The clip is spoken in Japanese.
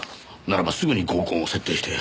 ならばすぐに合コンを設定して。